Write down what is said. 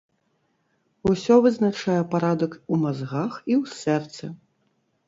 Усё вызначае парадак у мазгах і ў сэрцы.